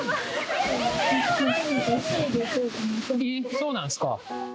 そうなんすか。